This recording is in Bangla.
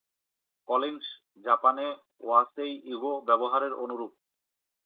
কংলিশ জাপানে ওয়াসেই-ইগো ব্যবহারের অনুরূপ।